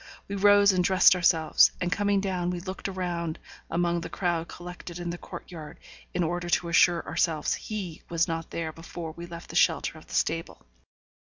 We rose and dressed ourselves, and coming down we looked around among the crowd collected in the court yard, in order to assure ourselves he was not there before we left the shelter of the stable.